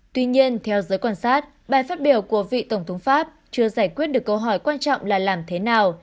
tuy nhiên theo giới quan sát bài phát biểu của vị tổng thống pháp chưa giải quyết được câu hỏi quan trọng là làm thế nào